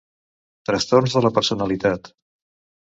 Trastorns de la personalitat.